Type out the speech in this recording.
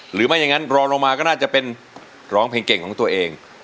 หรือไม่อย่างนั้นรอลงมาก็น่าจะเป็นร้องเพลงเก่งของตัวเอง